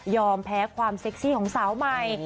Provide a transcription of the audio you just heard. แพ้ความเซ็กซี่ของสาวใหม่